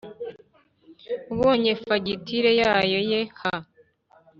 ubonye fagitire yayo ye ha